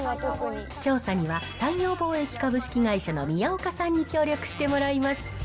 調査には、三洋貿易株式会社の宮岡さんに協力してもらいます。